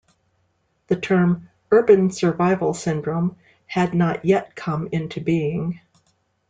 The term, urban survival syndrome, had not yet come into being.